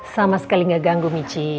sama sekali nggak ganggu michi